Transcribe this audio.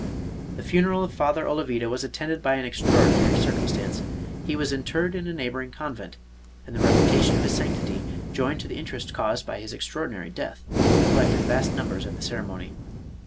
The funeral of Father Olavida was attended by an ex traordinary circumstance. He was interred in a neighbor ing convent ; and the reputation of his sanctity, joined to the interest caused by his extraordinary death, collected vast numbers at the ceremony.